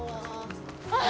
あっ。